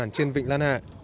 truyền truyền trên vịnh lan hạ